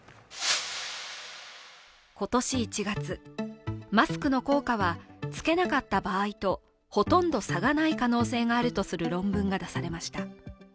今年１月、マスクの効果は着けなかった場合とほとんど差がない可能性があるとする論文が出されました。